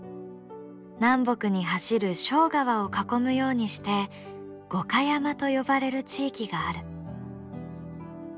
南北に走る庄川を囲むようにして五箇山と呼ばれる地域がある。